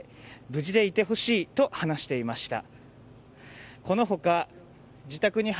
無事でいてほしいと話していました。